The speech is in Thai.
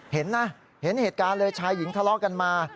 เห็นนะเห็นเหตุการณ์เลยชายหญิงทะเลาะกันมา